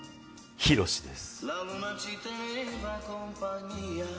ヒロシです。